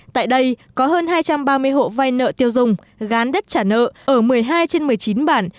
tại đây có hơn hai trăm ba mươi hộ vay nợ tiêu dùng gán đất trả nợ ở một mươi hai trên một mươi chín bản